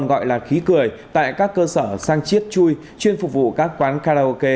gọi là khí cười tại các cơ sở sang chiết chui chuyên phục vụ các quán karaoke